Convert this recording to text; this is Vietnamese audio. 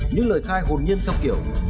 những lời khai hồn nhiên theo kiểu